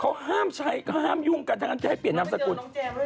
ก็ห้ามใช้ก็ห้ามยุ่งกันทางการใช้เปลี่ยนนามสกุล